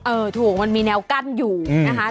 เออถูกมันมีแนวกั้นอยู่นะคะ